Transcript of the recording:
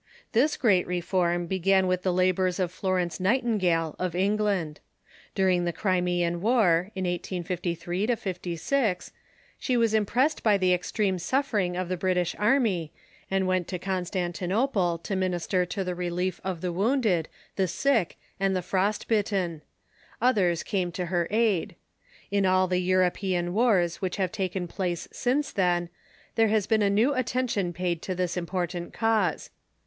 This great reform began with the labors of Florence Night ingale, of England. During the Crimean War, in 1853 56, she was imi)ressed by the extreme suffering of the Brit Care of the .,, ^x/^ i ..• 1 Wounded '^h army, and went to Constantinople to mmister to the relief of the wounded, tlie sick, and the frost bit ten. Others came to her aid. In all the European wars which have taken place since then there has been a new attention paid to this important cause.